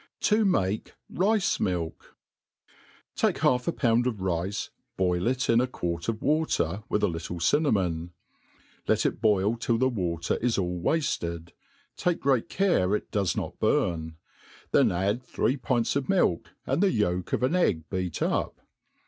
To make Rke MU^. TAKE half a pound of rice, boil it in a quart of water, with a little cinnamon* Let it boil till the water is all wafted ; take great care it does not bum i then add three pints of milk, and the yolk of an egg beat up.